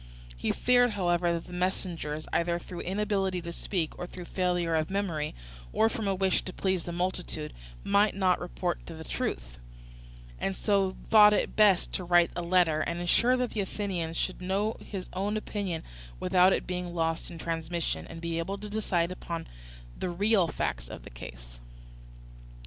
He feared, however, that the messengers, either through inability to speak, or through failure of memory, or from a wish to please the multitude, might not report the truth, and so thought it best to write a letter, to ensure that the Athenians should know his own opinion without its being lost in transmission, and be able to decide upon the real facts of the case.